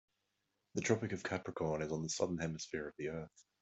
The Tropic of Capricorn is on the Southern Hemisphere of the earth.